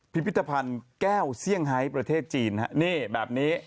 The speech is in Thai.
พิพิธภัณฑ์แก้วเซี่ยงไฮประเทศจีนฮะนี่แบบนี้